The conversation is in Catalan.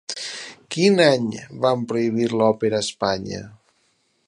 Quin any van prohibir l'òpera a Espanya?